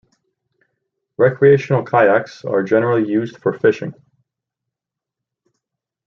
Recreational kayaks are generally used for fishing.